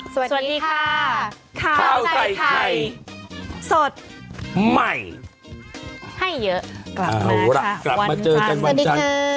สวัสดีค่ะข้าวใส่ไข่สดใหม่ให้เยอะกลับมาค่ะวันจันทร์สวัสดีค่ะ